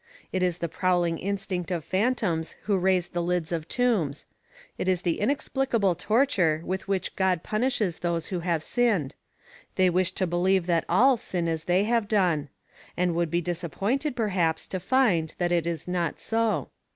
It is the prowling instinct of fantoms who raise the lids of tombs; it is an inexplicable torture with which God punishes those who have sinned; they wish to believe that all sin as they have done, and would be disappointed perhaps to find that it was not so.